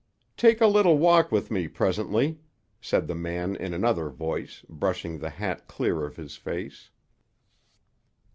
"Take a little walk with me presently," said the man in another voice, brushing the hat clear of his face.